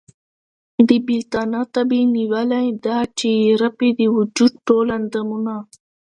د بېلتانه تبې نيولی ، دا چې ئې رپي د وجود ټول اندامونه